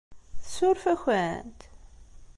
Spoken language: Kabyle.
Tsuref-akent?